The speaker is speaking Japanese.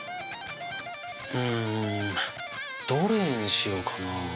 うんどれにしようかなあ。